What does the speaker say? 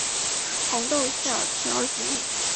红豆馅甜而不腻